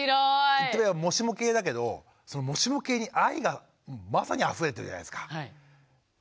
言ってみればもしも系だけどそのもしも系に愛がまさにあふれてるじゃないですか。